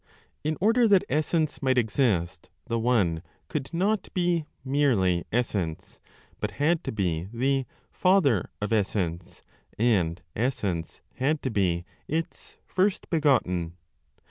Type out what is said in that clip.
In order that essence might exist, the One could not be (merely) essence, but had to be the 'father' of essence, and essence had to be its first begotten.